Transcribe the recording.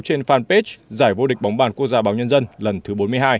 trên fanpage giải vô địch bóng bàn quốc gia báo nhân dân lần thứ bốn mươi hai